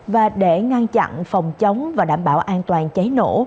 và để ngăn chặn phòng chống và đảm bảo an toàn cháy nổ